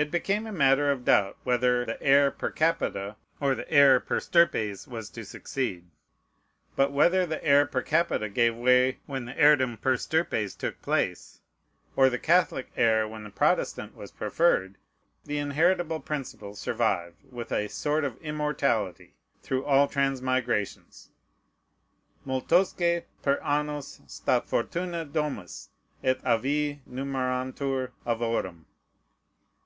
It became a matter of doubt whether the heir per capita or the heir per stirpes was to succeed; but whether the heir per capita gave way when the heirdom per stirpes took place, or the Catholic heir when the Protestant was preferred, the inheritable principle survived with a sort of immortality through all transmigrations, Multosque per annos Stat fortuna domûs, et avi numerantur avorum.